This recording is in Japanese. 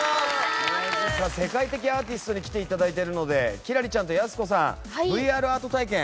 世界的アーティストに来ていただいているので輝星ちゃんとやす子さん